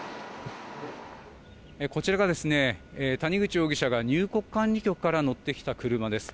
こちらが谷口容疑者が入国管理局から乗ってきた車です。